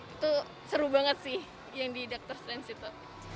itu seru banget sih yang di doctor stains itu